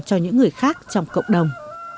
cho những người khác trong cộng đồng